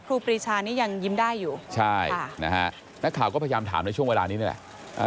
ครีชานี่ยังยิ้มได้อยู่ใช่นะฮะนักข่าวก็พยายามถามในช่วงเวลานี้นี่แหละ